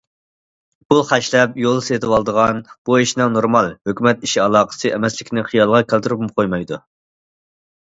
پۇل خەجلەپ يول سېتىۋالىدىغان بۇ ئىشنىڭ نورمال« ھۆكۈمەت ئىشى ئالاقىسى» ئەمەسلىكىنى خىيالىغا كەلتۈرۈپمۇ قويمايدۇ.